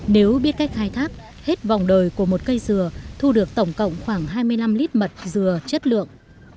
nếu biết cách khai thác hết vòng đời của một cây dừa thu được tổng cộng khoảng hai mươi năm lít mật dừa chất lượng